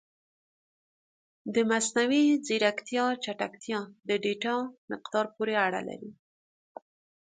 د مصنوعي ځیرکتیا چټکتیا د ډیټا مقدار پورې اړه لري.